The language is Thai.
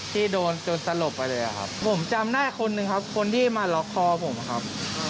ที่โดนจนสลบไปเลยครับผมจำได้คนหนึ่งครับคนที่มาล็อกคอผมครับ